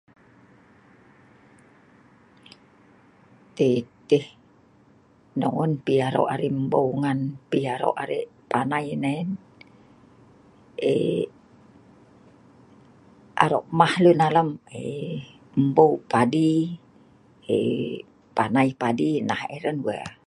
Tet..tih non pi aroq arai mboeu ngan pi aroq arai panai nen. Ee… aroq mah luen alam ee.. mboeu padi ee… panai padi, nah yeh hran wey